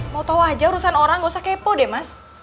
mau tau aja urusan orang gausah kepo deh mas